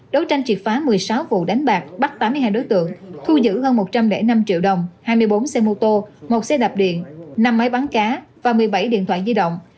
đấu tranh triệt phá một mươi sáu vụ đánh bạc bắt tám mươi hai đối tượng thu giữ hơn một trăm linh năm triệu đồng hai mươi bốn xe mô tô một xe đạp điện năm máy bắn cá và một mươi bảy điện thoại di động